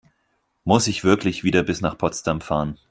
Muss ich wirklich wieder bis nach Potsdam fahren?